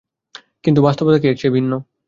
কিন্তু বাস্তবতা কি এর চেয়ে ভিন্ন।